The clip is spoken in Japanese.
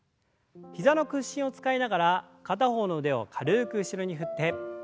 膝の屈伸を使いながら片方の腕を軽く後ろに振って。